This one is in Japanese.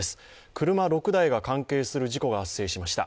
車６台が関係する事故が発生しました。